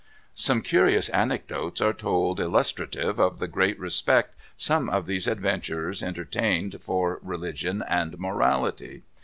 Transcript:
Some curious anecdotes are told illustrative of the great respect some of these adventurers entertained for religion and morality.